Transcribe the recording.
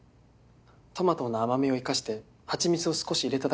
トマトの甘みを生かしてはちみつを少し入れただけなので。